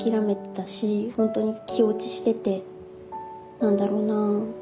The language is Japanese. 何だろうな。